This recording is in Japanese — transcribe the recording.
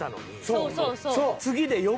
そうそうそう。